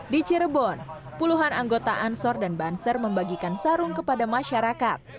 di cirebon puluhan anggota ansor dan banser membagikan sarung kepada masyarakat